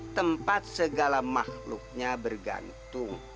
tempat segala makhluknya bergantung